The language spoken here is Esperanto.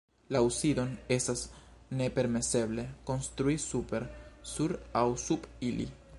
Laŭ Sidon estas nepermeseble konstrui super, sur aŭ sub ili.